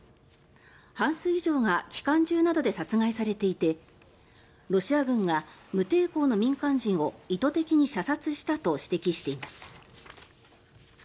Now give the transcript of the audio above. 半数以上が機関銃などで殺害されていてロシア軍が無抵抗の民間人を意図的に射殺したと指摘しています。